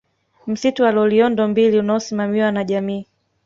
Msitu wa Loliondo mbili unaosimamiwa na jamii